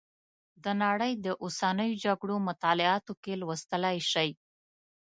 د نړۍ د اوسنیو جګړو مطالعاتو کې لوستلی شئ.